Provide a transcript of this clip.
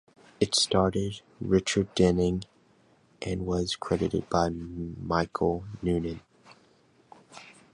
It starred Richard Denning and was credited by Michael Noonan.